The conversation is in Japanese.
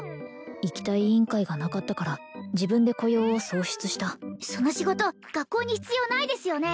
行きたい委員会がなかったから自分で雇用を創出したその仕事学校に必要ないですよね？